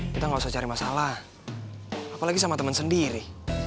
kita gak usah cari masalah apalagi sama temen sendiri